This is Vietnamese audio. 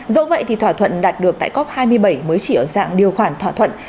dẫu vậy thì thỏa thuận đạt được tại cop hai mươi bảy mới chỉ ở dạng điều khoản thỏa thuận